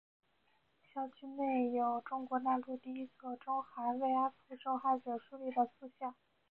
校区内有中国大陆第一座为中韩慰安妇受害者树立的塑像。